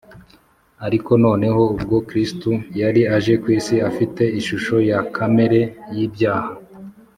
; ariko noneho ubwo Kristo yari aje kw’isi “afite ishusho ya kamere y’ibyaha